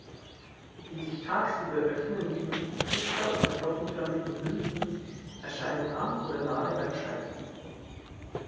Die sich tagsüber öffnenden, trichter- oder glockenförmigen Blüten erscheinen am oder nahe beim Scheitel.